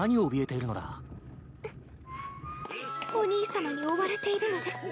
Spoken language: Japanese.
お兄さまに追われているのです。